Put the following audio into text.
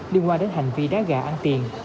liên quan đến hành vi đá gà ăn tiền